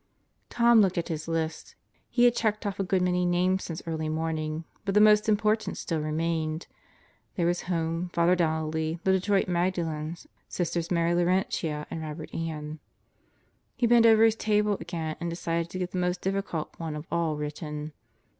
Tom looked at his list. He had checked off a good many names since early morning, but the most important still remained. There was home, Father Donnelly, the Detroit Magdalens, Sisters Mary Laurentia and Robert Ann. He bent over his table again and decided to get the most difficult one of all written.